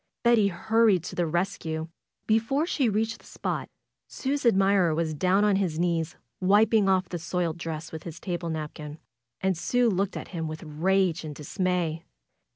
Betty hurried to the rescue. Before she reached the spot, Sue's admirer was down on his knees wiping off the soiled dress with his table napkin. And Sue looked at him with rage and dismay.